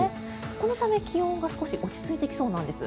このため、気温が少し落ち着いてきそうなんです。